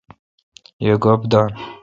یی گوپ دان۔